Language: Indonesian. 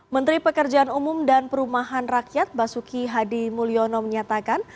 menteri pekerjaan umum dan perumahan rakyat basuki hadi mulyono menyatakan